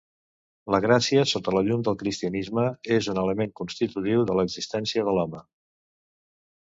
La gràcia, sota la llum del cristianisme, és un element constitutiu de l'existència de l'home.